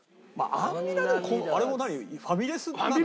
アンミラはでもあれもファミレスなの？